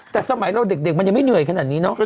แต่สมัยเราเด็กมันยังไม่เหนื่อยขนาดนี้เนอะ